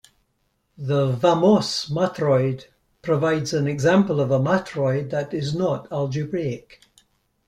The Vámos matroid provides an example of a matroid that is not algebraic.